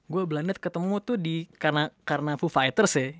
gue blind date ketemu tuh di karena foo fighters ya